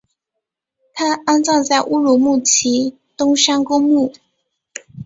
他安葬在乌鲁木齐东山公墓。